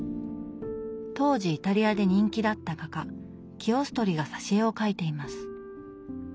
当時イタリアで人気だった画家キオストリが挿絵を描いています。